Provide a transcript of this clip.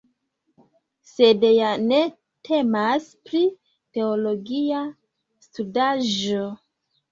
Sed ja ne temas pri teologia studaĵo.